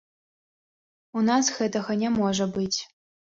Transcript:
У нас гэтага не можа быць.